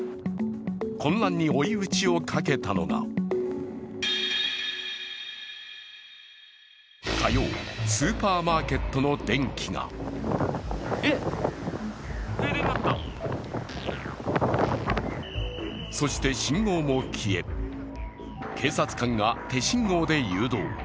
混乱に追い打ちをかけたのが火曜、スーパーマーケットの電気がそして信号も消え警察官が手信号で誘導。